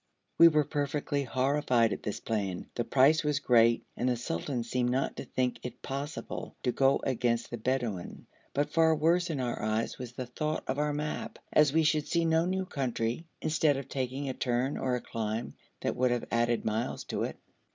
We were perfectly horrified at this plan; the price was great, and the sultan seemed not to think it possible to go against the Bedouin; but far worse in our eyes was the thought of our map, as we should see no new country, instead of taking a turn or a climb that would have added miles to it.